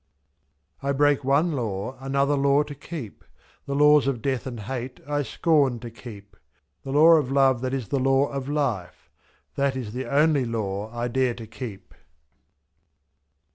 I break one law, another law to keep; The laws of death and hate I scorn to keep, /»y.The law of Love that is the law of Life — That is the only law I dare to keep.